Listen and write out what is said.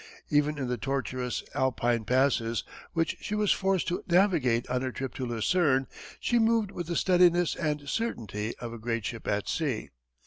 Even in the tortuous Alpine passes which she was forced to navigate on her trip to Lucerne she moved with the steadiness and certainty of a great ship at sea.